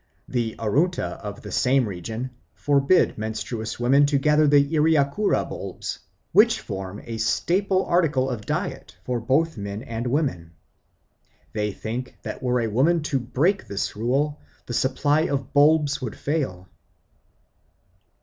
The Arunta of the same region forbid menstruous women to gather the irriakura bulbs, which form a staple article of diet for both men and women. They think that were a woman to break this rule, the supply of bulbs would fail.